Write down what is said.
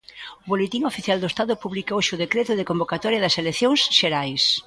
O Boletín Oficial do Estado publica hoxe o decreto de convocatoria das eleccións xerais.